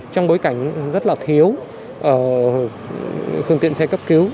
trong bối cảnh rất là thiếu phương tiện xe cấp cứu